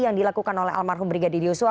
yang dilakukan oleh almarhum brigadir yosua